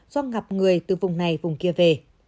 do ngặp người từ vùng này vùng kia về